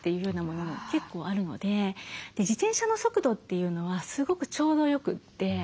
自転車の速度というのはすごくちょうどよくて。